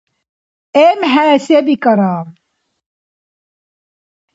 ЭмхӀе се бикӀара?